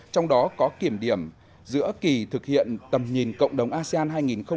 trong đó có kiểm điểm giữa kỳ thực hiện tầm nhìn cộng đồng asean hai nghìn hai mươi năm